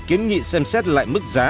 kiến nghị xem xét lại mức giá